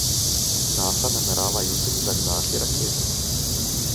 NASA namerava jutri zagnati raketo.